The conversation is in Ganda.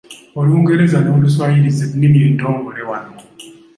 Olungereza n’Oluswayiri z’ennimi entongole wano.